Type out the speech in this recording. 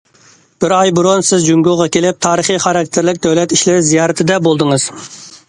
بىر ئاي بۇرۇن سىز جۇڭگوغا كېلىپ، تارىخىي خاراكتېرلىك دۆلەت ئىشلىرى زىيارىتىدە بولدىڭىز.